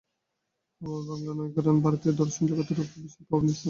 আমাদের বাঙলার নৈয়ায়িকগণ ভারতীয় দর্শন-জগতের উপর বিশেষ প্রভাব বিস্তার করিতে সমর্থ হন নাই।